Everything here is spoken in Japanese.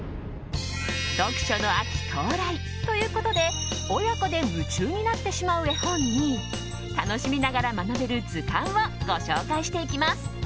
読書の秋到来ということで親子で夢中になってしまう絵本に楽しみながら学べる図鑑をご紹介していきます。